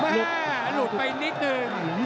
หลุดไปนิดนึง